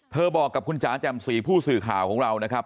บอกกับคุณจ๋าแจ่มสีผู้สื่อข่าวของเรานะครับ